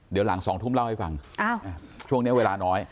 เดี๋ยวหลัง๒ทุ่มเล่าให้ฟังช่วงนี้เวลาน้อย